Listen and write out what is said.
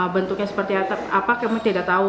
bentuknya seperti apa kami tidak tahu